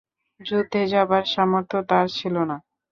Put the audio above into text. যুদ্ধে যাবার সামর্থ্য তার ছিল না।